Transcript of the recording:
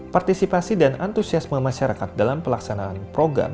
partisipasi dan antusiasme masyarakat dalam pelaksanaan program